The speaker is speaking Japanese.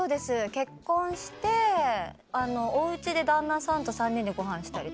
結婚してお家で旦那さんと３人でごはんしたりとか。